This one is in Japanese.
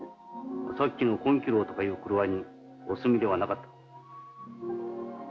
さっきの金亀楼とかいうくるわにお住みではなかったか。